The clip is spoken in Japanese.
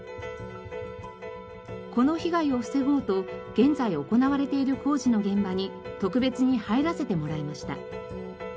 この被害を防ごうと現在行われている工事の現場に特別に入らせてもらいました。